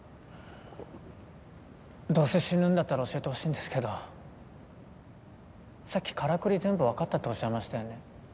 どうせ死ぬんだったら教えてほしいんですけどさっきからくり全部わかったっておっしゃいましたよね。